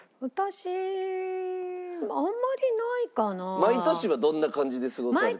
毎年はどんな感じで過ごされて？